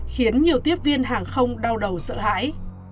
khiến nhiều tiếp viên hàng không đau đầu sợ hãi